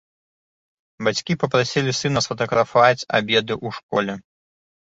Бацькі папрасілі сына сфатаграфаваць абеды ў школе.